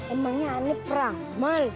emangnya aneh banget